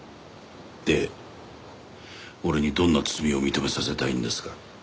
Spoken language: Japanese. で俺にどんな罪を認めさせたいんですか？